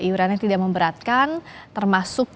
iurannya tidak memberatkan termasuk